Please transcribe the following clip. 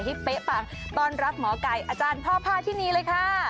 เป๊ะปังต้อนรับหมอไก่อาจารย์พ่อพาที่นี่เลยค่ะ